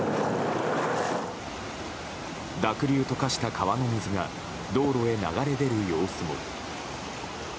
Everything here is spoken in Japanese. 濁流と化した川の水が道路へ流れ出る様子も。